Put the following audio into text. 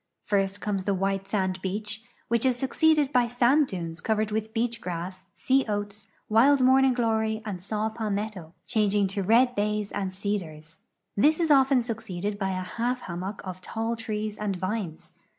First comes the white sand beach, which is succeeded hv sand dunes covered with beach grass, sea oats, wild niorning gloiy, and saw i)ahnetto, changing to red ha_ys and cedars. This is often succeeded h\'' a half hammock of tall trc(;s and vines.